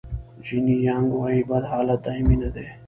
جیني یانګ وایي بد حالت دایمي نه دی.